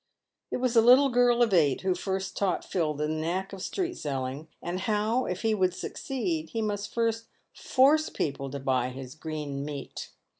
It was a little girl of eight who first taught Phil the knack of street selling, and how, if he would succeed, he must force people to buy his green meat.